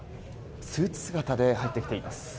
スーツ姿で入ってきています。